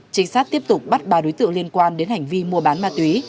trinh sát tiếp tục bắt ba đối tượng liên quan đến hành vi mua bán ma túy